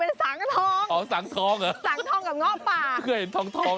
และเต้น